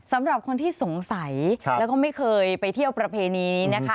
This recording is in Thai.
สำหรับคนที่สงสัยแล้วก็ไม่เคยไปเที่ยวประเพณีนี้นะคะ